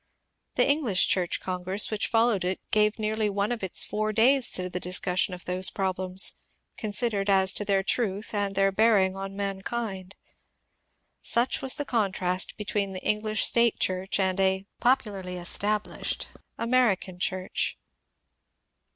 The English Church Con gress, which followed it, gave nearly one of its four days to the discussion of those problems, considered as to their truth and their bearing on mankind. Such was the contrast between the English State Church and a (popularly established) American Church.